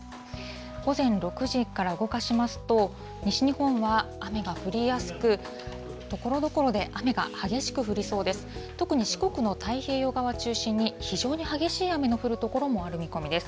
午前６時から動かしますと、西日本は雨が降りやすく、ところどころで雨が激しく降りそうです。